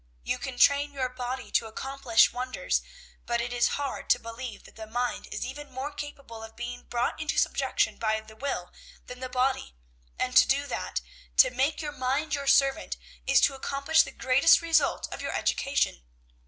You can train your body to accomplish wonders, but it is hard to believe that the mind is even more capable of being brought into subjection by the will than the body; and, to do that, to make your mind your servant, is to accomplish the greatest result of your education.